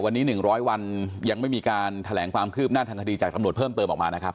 วันนี้๑๐๐วันยังไม่มีการแถลงความคืบหน้าทางคดีจากตำรวจเพิ่มเติมออกมานะครับ